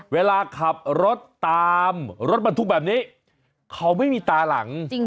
เวลาขับรถตามรถบรรทุกแบบนี้เขาไม่มีตาหลัง